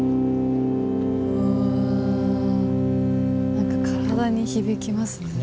何か体に響きますね。